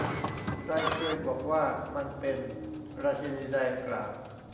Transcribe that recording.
ใครเคยบอกว่ามันเป็น ? ราชินีแดงกล่าว